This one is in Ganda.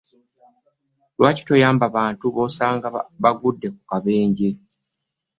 Lwaki toyamba bantu bosanga nga bagudde ku bubenje?